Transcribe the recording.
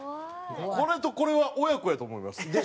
これとこれは親子やと思います。